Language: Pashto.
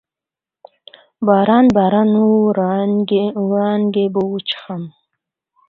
باران، باران وړانګې به وچیښمه